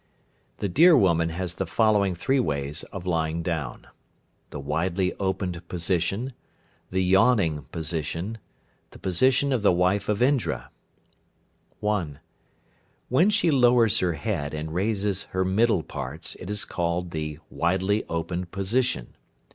The Deer woman has the following three ways of lying down. The widely opened position. The yawning position. The position of the wife of Indra. (1). When she lowers her head and raises her middle parts, it is called the "widely opened position."